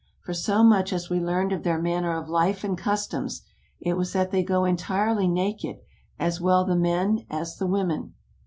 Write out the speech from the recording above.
For so much as we learned of their manner of life and customs, it was that they go entirely naked, as well the men as the women.